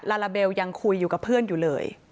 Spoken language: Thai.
ลาลาเบลยังคุยอยู่กับเพื่อนอยู่เลย